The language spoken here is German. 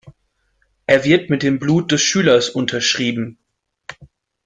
Er wird mit dem Blut des Schülers unterschrieben.